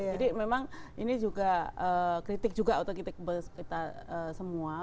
jadi memang ini juga kritik juga untuk kita semua